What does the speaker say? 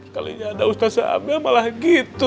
kalinya ada ustadzah abel malah gitu